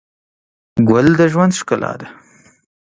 ګل د ژوند ښکلا ده.